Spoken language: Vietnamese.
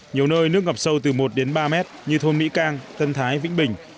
nhiều nơi nước ngập sâu từ một đến ba mét như thôn mỹ cang tân thái vĩnh bình